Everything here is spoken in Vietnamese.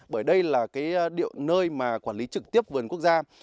bởi đây là nơi quản lý trực tiếp vườn quốc gia